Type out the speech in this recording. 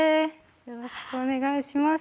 よろしくお願いします。